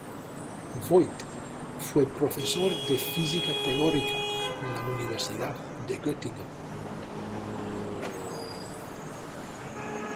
Voigt fue profesor de física teórica en la Universidad de Göttingen.